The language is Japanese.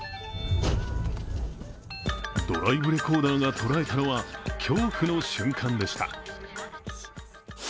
ドライブレコーダーが捉えたのは恐怖の瞬間でした。